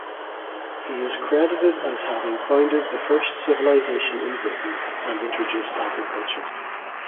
He is credited as having founded the first civilization in Britain and introduced agriculture.